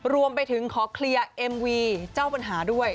รวมไปถึงขอเคลียร์เอ็มวีเจ้าปัญหาด้วย